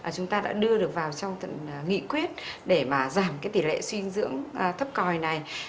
chúng ta đã đưa được vào trong tận nghị quyết để mà giảm tỷ lệ suy dinh dưỡng thấp còi này